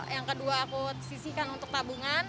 yang kedua aku sisihkan untuk tabungan